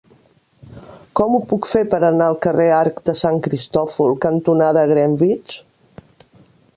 Com ho puc fer per anar al carrer Arc de Sant Cristòfol cantonada Greenwich?